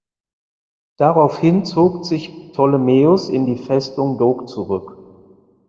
Daraufhin zog sich Ptolemaios in die Festung Dok zurück.